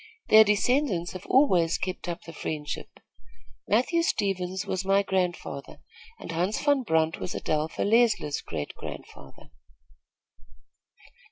Their descendants have always kept up the friendship. Matthew Stevens was my grandfather, and Hans Van Brunt was Adelpha Leisler's great grandfather.